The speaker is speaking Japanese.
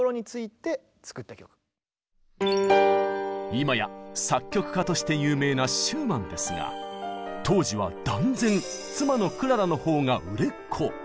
今や作曲家として有名なシューマンですが当時は断然妻のクララのほうが売れっ子。